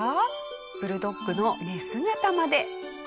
ブルドッグの寝姿まで。